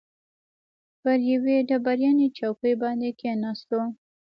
پر یوې ډبرینې چوکۍ باندې کښېناستو.